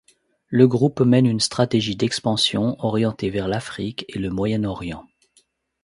Le groupe mène une stratégie d'expansion orientée vers l'Afrique et le Moyen-Orient.